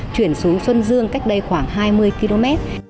chuyển xuống xuân dương cách đây khoảng hai mươi km